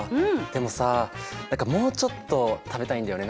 でもさ何かもうちょっと食べたいんだよね。